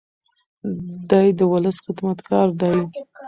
دی د ولس خدمتګار دی.